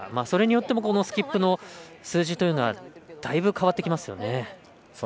それによってもスキップの数字というのもだいぶ変わってきますよね。